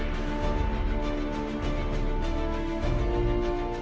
โปรดตามตอนต่อไป